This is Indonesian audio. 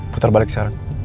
putar balik syaran